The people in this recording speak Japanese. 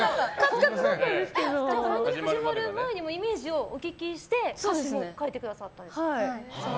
始まる前にイメージをお聞きして書いてくださったんですよね。